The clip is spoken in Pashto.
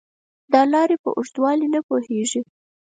دا لارې په اوږدوالي نه پوهېږي .